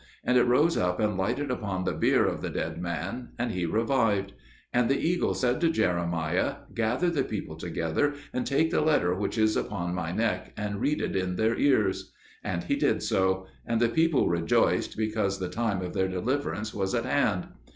And it rose up and lighted upon the bier of the dead man, and he revived. And the eagle said to Jeremiah, "Gather the people together, and take the letter which is upon my neck, and read it in their ears." And he did so; and the people rejoiced, because the time of their deliverance was at hand.